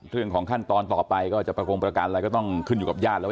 เรื่องของขั้นตอนต่อไปก็จะประกงประกันอะไรก็ต้องขึ้นอยู่กับญาติแล้ว